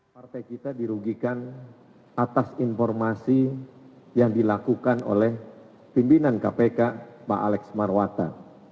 partai kita dirugikan atas informasi yang dilakukan oleh pimpinan kpk pak alex marwata